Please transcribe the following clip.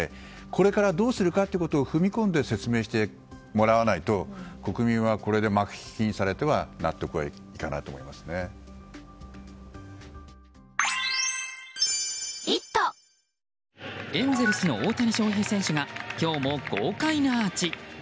これからどうするか踏み込んで説明してもらわないと国民はこれで幕引きにされたらエンゼルスの大谷翔平選手が今日も豪快なアーチ。